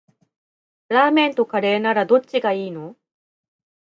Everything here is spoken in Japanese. ラーメンとカレーならどっちがいいの？